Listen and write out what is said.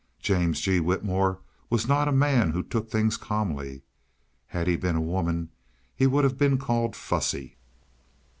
James G. Whitmore was not a man who took things calmly; had he been a woman he would have been called fussy.